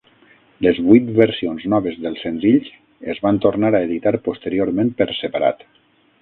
Les vuit versions noves dels senzills es van tornar a editar posteriorment per separat.